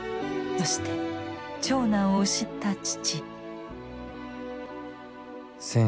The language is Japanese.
そして長男を失った父。